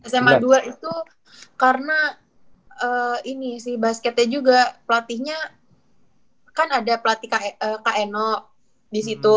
sma dua itu karena ini sih basketnya juga pelatihnya kan ada pelatih kno disitu